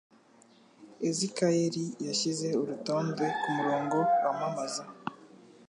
Ezakiyeri yashyize urutonde kumurongo wamamaza.